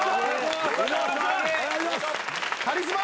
カリスマ！